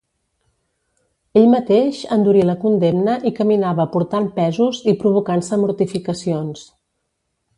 Ell mateix endurí la condemna i caminava portant pesos i provocant-se mortificacions.